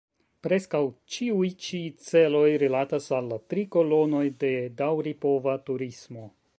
Preskaŭ ĉiuj-ĉi celoj rilatas al la tri kolonoj de daŭripova turismo.